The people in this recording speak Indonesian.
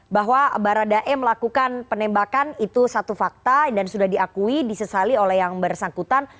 bahwa baradae melakukan penembakan itu satu fakta dan sudah diakui disesali oleh yang bersangkutan